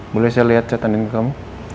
boleh saya lihat chat andin ke kamu